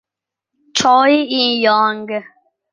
Choi In-young